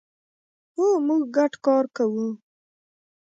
هو، موږ ګډ کار کوو